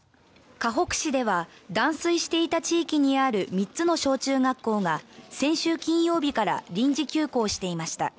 かほく市では断水していた地域にある３つの小中学校が先週金曜日から臨時休校していました。